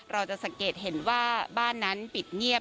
เราจะสังเกตเห็นว่าบ้านนั้นปิดเงียบ